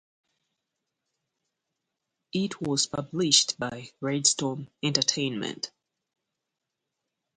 It was published by Red Storm Entertainment.